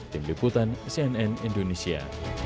tim liputan cnn indonesia